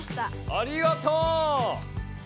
ありがとう！